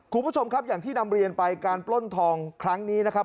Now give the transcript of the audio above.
คุณผู้ชมครับอย่างที่นำเรียนไปการปล้นทองครั้งนี้นะครับ